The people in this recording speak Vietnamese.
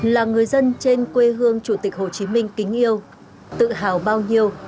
là người dân trên quê hương chủ tịch hồ chí minh kính yêu tự hào bao nhiêu